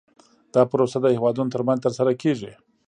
دا پروسه د هیوادونو ترمنځ ترسره کیږي